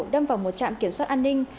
đâm vào một trạm kiểm soát an ninh